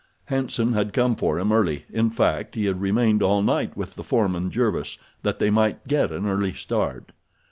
Hanson had come for him early—in fact he had remained all night with the foreman, Jervis, that they might get an early start.